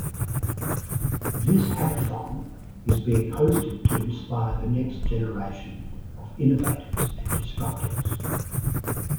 This hackathon is being hosted to inspire the next generation of innovators and disruptors.